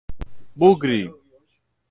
Bugre